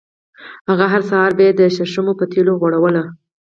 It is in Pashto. هغه هر سهار به یې د شرشمو په تېلو غوړولې.